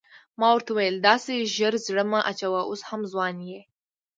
ما ورته وویل داسې ژر زړه مه اچوه اوس هم ځوان یې.